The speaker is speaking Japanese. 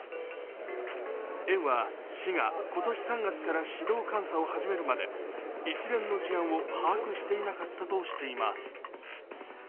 園は市が今年３月から指導監査を始めるまで一連の事案を把握していなかったとしています。